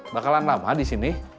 bakalan lama disini